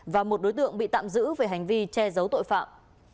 và một đối tượng bị tạm giữ về hành vi che giấu tội phạm